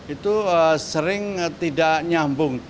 itu sering tidak nyambung